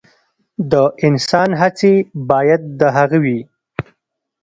د انسان هڅې باید د هغه وي.